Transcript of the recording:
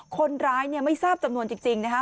คนร้ายเนี่ยไม่ทราบจำนวนจริงนะคะ